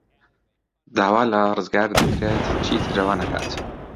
داوا لە ڕزگار دەکرێت چیتر ئەوە نەکات.